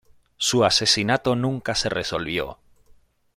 Su asesinato nunca se resolvió.